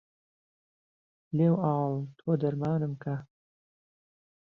لێو ئاڵ تۆ دەرمانم کە